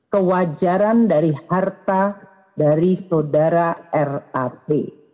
kewajaran dari harta dari saudara rap